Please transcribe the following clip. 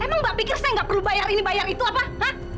emang mbak pikir saya nggak perlu bayar ini bayar itu apa pak